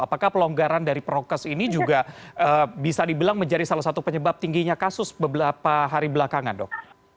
apakah pelonggaran dari prokes ini juga bisa dibilang menjadi salah satu penyebab tingginya kasus beberapa hari belakangan dok